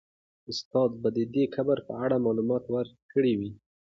استاد به د دې قبر په اړه معلومات ورکړي وي.